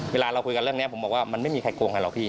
เวลาเราคุยกันเรื่องนี้ผมบอกว่ามันไม่มีใครโกงกันหรอกพี่